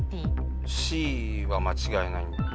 Ｃは間違いない。